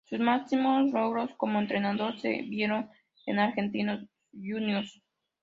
Sus máximos logros como entrenador se dieron en Argentinos Juniors.